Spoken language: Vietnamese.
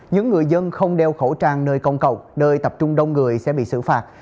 những người dân không đeo khẩu trang nơi công cộng nơi tập trung đông người sẽ bị xử phạt